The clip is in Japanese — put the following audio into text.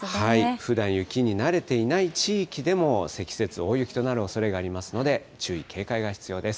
ふだん雪に慣れていない地域でも積雪、大雪となるおそれがありますので、注意警戒が必要です。